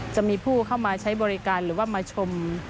จะมีผู้เข้ามาใช้บริการหรือว่ามาชม